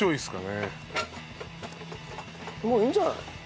もういいんじゃない？